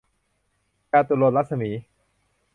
จาตุรนต์รัศมี